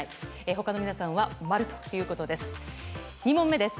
他の皆さんは〇ということです。